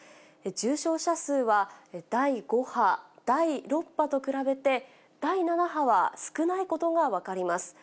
重症者数は、第５波、第６波と比べて、第７波は少ないことが分かります。